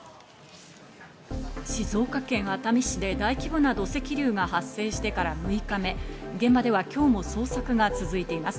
静岡県熱海市で大規模な土石流が発生してから６日目、現場では今日も捜索が続いています。